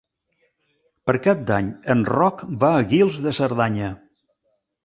Per Cap d'Any en Roc va a Guils de Cerdanya.